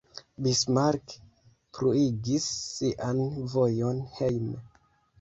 Bismarck pluigis sian vojon hejme.